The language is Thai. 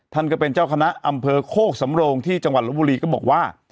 ท่านก็เป็นเจ้าคณะอำเภอโคกสำโรงที่จังหวัดลบบุรีก็บอกว่า